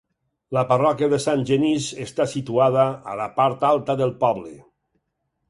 La Parròquia de Sant Genís està situada a la part alta del poble.